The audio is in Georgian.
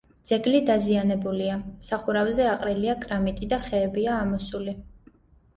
ძეგლი დაზიანებულია: სახურავზე აყრილია კრამიტი და ხეებია ამოსული.